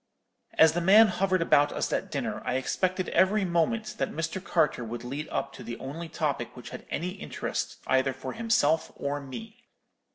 "As the man hovered about us at dinner, I expected every moment that Mr. Carter would lead up to the only topic which had any interest either for himself or me.